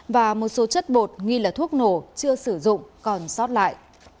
và một số chất bột nghi là thuốc nổ chưa sử dụng còn sót lại